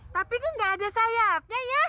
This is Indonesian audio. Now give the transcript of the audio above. tapi kan gak ada sayapnya ya